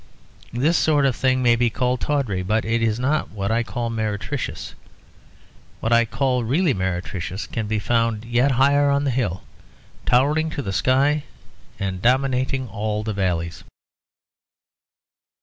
This sort of thing may be called tawdry, but it is not what I call meretricious. What I call really meretricious can be found yet higher on the hill; towering to the sky and dominating all the valleys.